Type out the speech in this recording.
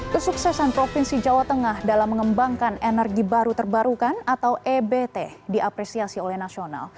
kesuksesan provinsi jawa tengah dalam mengembangkan energi baru terbarukan atau ebt diapresiasi oleh nasional